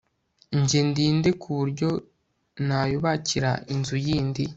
jye ndi nde ku buryo nayubakira inzu yindi